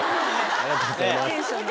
ありがとうございます。